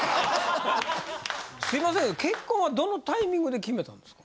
すいませんが結婚はどのタイミングで決めたんですか？